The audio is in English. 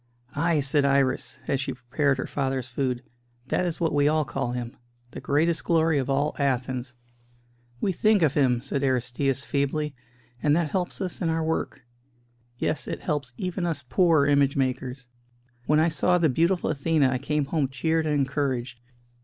"Ay," said Iris, as she prepared her father's food, "that is what we all call him the greatest glory of all Athens." "We think of him," said Aristćus, feebly, "and that helps us in our work. Yes, it helps even us poor image makers. When I saw the beautiful Athena I came home cheered and encouraged.